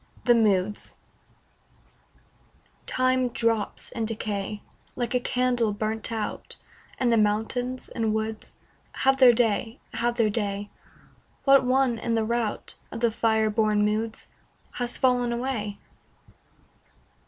THE MOODS Time drops in decay, Like a candle burnt out, And the mountains and woods Have their day, have their day; What one in the rout Of the fire born moods, Has fallen away?